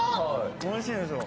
おいしいですよ